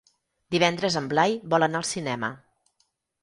Divendres en Blai vol anar al cinema.